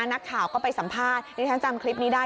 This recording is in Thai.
นักข่าวก็ไปสัมภาษณ์ดิฉันจำคลิปนี้ได้